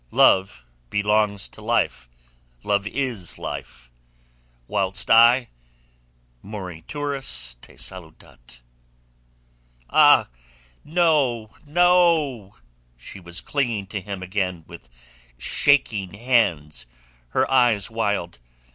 Love belongs to life; love is life; whilst I... Moriturus te salutat!" "Ah, no, no!" She was clinging to him again with shaking hands, her eyes wild.